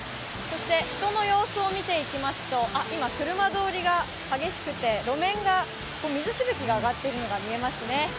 人の様子を見ていきますと、今、車通りが激しくて路面が水しぶきが上がっているのが見えますね。